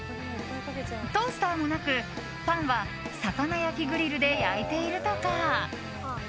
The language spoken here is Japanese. トースターもなく、パンは魚焼きグリルで焼いているとか。